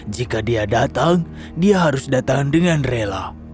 jika dia datang dia harus datang dengan rela